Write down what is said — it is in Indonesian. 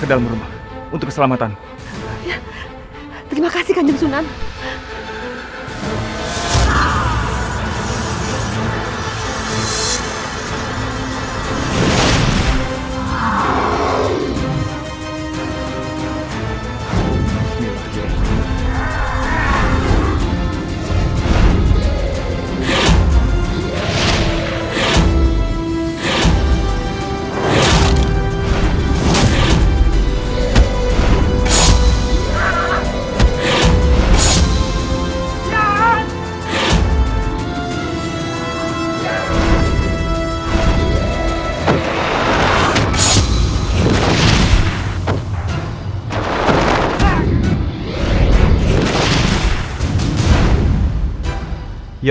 kegelapan tengah menyelembuti desa tinggi